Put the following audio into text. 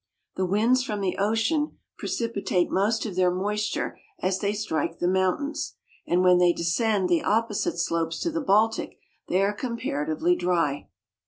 The winds from the ocean precipitate most of their moisture as they strike the mountains, and when they descend the opposite slopes to the Baltic they are comparatively dry.